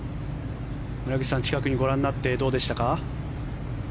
村口さん、近くにご覧になってどうでしたか。